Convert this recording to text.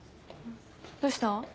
どうした？